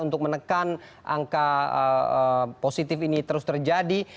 untuk menekan angka positif ini terus terjadi